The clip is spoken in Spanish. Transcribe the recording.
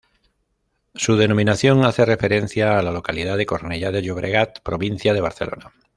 Su denominación hace referencia a la localidad de Cornellá de Llobregat, provincia de Barcelona.